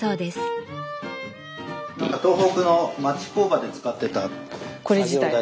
東北の町工場で使ってたこれ自体が。